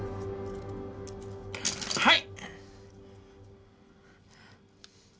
はい！